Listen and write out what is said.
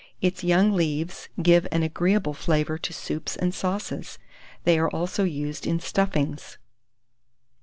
Its young leaves give an agreeable flavour to soups and sauces; they are also used in stuffings.